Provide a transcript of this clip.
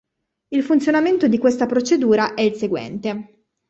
Il funzionamento di questa procedura è il seguente.